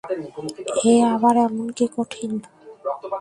এ আবার এমন কী কঠিন।